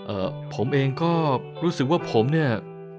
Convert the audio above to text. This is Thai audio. เอ่อผมเองก็รู้สึกว่าผมเนี่ย